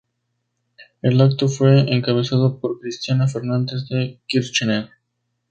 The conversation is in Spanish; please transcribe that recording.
El acto fue encabezado por Cristina Fernández de Kirchner.